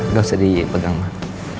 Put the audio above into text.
ya gak usah dipegang mak